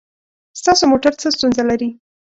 ستاسو موټر څه ستونزه لري؟